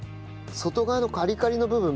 外側のカリカリの部分